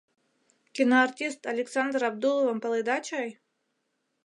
Киноартист Александр Абдуловым паледа чай?